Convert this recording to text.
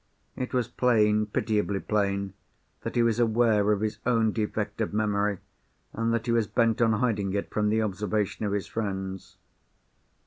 It was plain, pitiably plain, that he was aware of his own defect of memory, and that he was bent on hiding it from the observation of his friends.